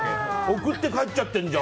送って帰っちゃってるじゃん。